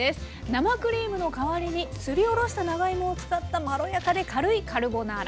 生クリームの代わりにすりおろした長芋を使ったまろやかで軽いカルボナーラ。